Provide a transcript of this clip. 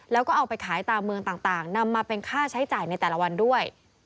แล้วก็เอาไปขายตามเมืองต่างนำมาเป็นค่าใช้จ่ายในแต่ละวันด้วย